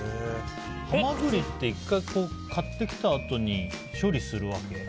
ハマグリって１回買ってきたあとに処理するわけ？